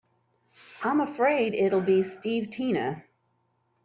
I'm afraid it'll be Steve Tina.